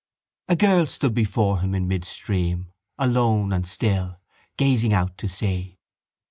A girl stood before him in midstream, alone and still, gazing out to sea.